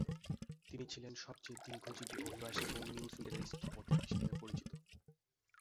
তিনি ছিলেন সবচেয়ে দীর্ঘজীবী অভিবাসী এবং 'নিউ সুইডেনের স্থপতি' হিসাবে পরিচিত।